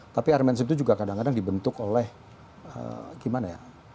tapi airmens itu juga kadang kadang dibentuk oleh gimana ya